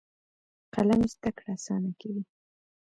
قلم زده کړه اسانه کوي.